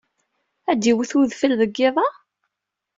Ad d-iwet wedfel deg yiḍ-a?